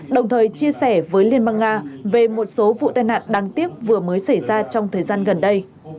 đồng thời chia sẻ với liên bang nga về một số vụ tai nạn đáng tiếc vừa mới xảy ra trong thời gian gần đây